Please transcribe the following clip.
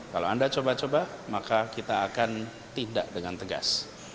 kalau anda coba coba maka kita akan tindak dengan tegas